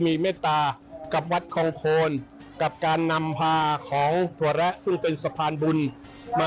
มีแต่คำว่ารวยครับผม